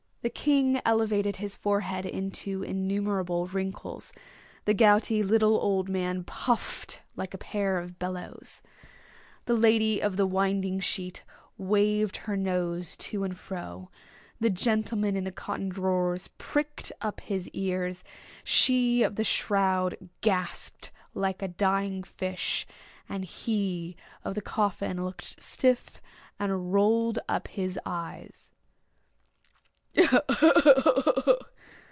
The king elevated his forehead into innumerable wrinkles; the gouty little old man puffed like a pair of bellows; the lady of the winding sheet waved her nose to and fro; the gentleman in the cotton drawers pricked up his ears; she of the shroud gasped like a dying fish; and he of the coffin looked stiff and rolled up his eyes.